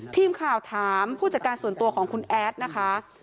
ทีมข่าวถามผู้จัดการส่วนตัวของคุณแอดนะคะ